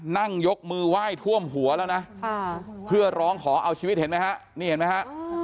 นั่งยกมือไหว้ท่วมหัวแล้วนะเพื่อร้องขอเอาชีวิตเห็นไหมฮะนี่เห็นไหมฮะ